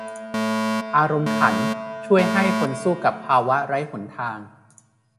อารมณ์ขันช่วยให้คนสู้กับภาวะไร้หนทาง